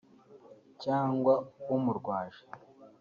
cyangwa umurwaje